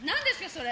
それ。